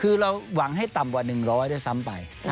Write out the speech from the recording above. คือเราหวังให้ต่ำกว่า๑๐๐ด้วยซ้ำไป